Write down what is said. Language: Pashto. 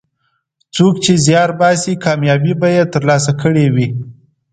څوک چې زیار باسي، کامیابي به یې ترلاسه کړي.